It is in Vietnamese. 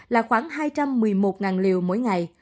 là khoảng hai trăm một mươi một liều mỗi ngày